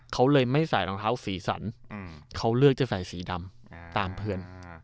เขาเลยไม่ใส่รองเท้าสีสันเขาเลือกจะใส่สีดำตามเพื่อน